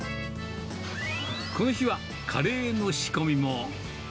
この日はカレーの仕込みも。